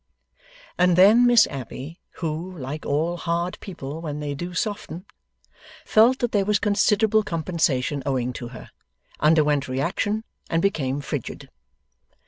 And then Miss Abbey, who, like all hard people when they do soften, felt that there was considerable compensation owing to her, underwent reaction and became frigid.